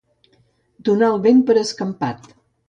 Donar el vent per escampat.